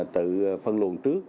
tự phân luận trước